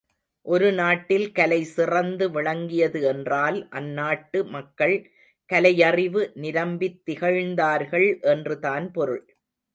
ஒரு நாட்டில் கலை சிறந்து விளங்கியது என்றால் அந்நாட்டு மக்கள் கலையறிவு நிரம்பித் திகழ்ந்தார்கள் என்று தான் பொருள்.